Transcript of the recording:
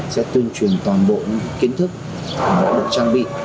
sẽ tuyên truyền toàn bộ kiến thức toàn bộ trang bị